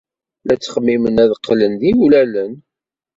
La ttxemmimen ad qqlen d iwlalen.